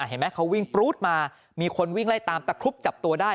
เห็นไหมเขาวิ่งปรู๊ดมามีคนวิ่งไล่ตามตะครุบจับตัวได้